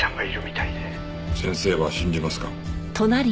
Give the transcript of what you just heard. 先生は信じますか？